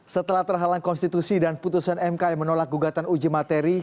setelah terhalang konstitusi dan putusan mk yang menolak gugatan uji materi